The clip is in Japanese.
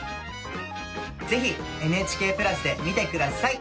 ぜひ「ＮＨＫプラス」で見て下さい！